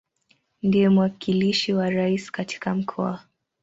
Ndiye mwakilishi wa Rais katika Mkoa.